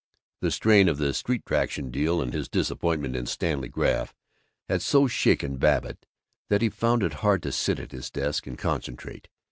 The strain of the Street Traction deal and his disappointment in Stanley Graff had so shaken Babbitt that he found it hard to sit at his desk and concentrate.